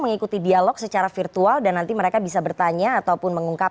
mengikuti dialog secara virtual dan nanti mereka bisa bertanya ataupun mengungkap